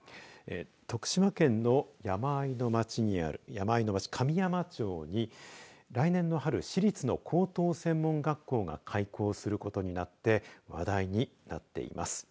徳島県の山あいの町神山町に来年の春、私立の高等専門学校が開校することになって話題になっています。